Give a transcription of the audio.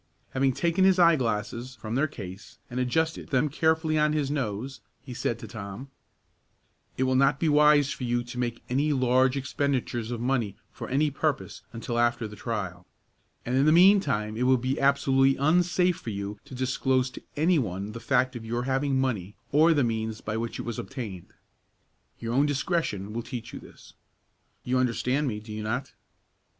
Having taken his eye glasses from their case and adjusted them carefully on his nose, he said to Tom, "It will not be wise for you to make any large expenditures of money for any purpose until after the trial; and in the mean time it will be absolutely unsafe for you to disclose to any one the fact of your having money or the means by which it was obtained. Your own discretion will teach you this. You understand me, do you not?"